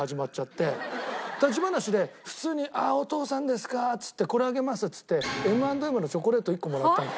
立ち話で普通に「ああお父さんですか」っつって「これあげます」っつってＭ＆Ｍ’Ｓのチョコレート１個もらったの。